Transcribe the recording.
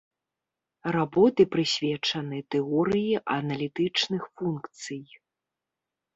Работы прысвечаны тэорыі аналітычных функцый.